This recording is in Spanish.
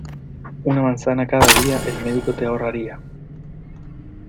Una manzana cada día, el médico te ahorraría.